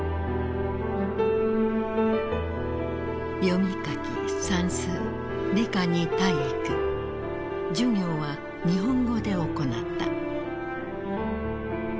読み書き算数理科に体育授業は日本語で行った。